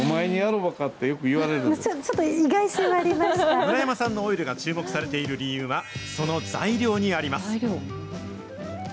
村山さんのオイルが注目されている理由は、その材料にあります。